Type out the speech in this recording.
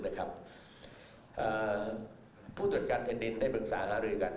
อ่าผู้จดการเป็นดินได้ปรึงศาหารื่นกัน